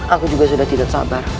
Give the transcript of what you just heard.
aku juga sudah tidak sabar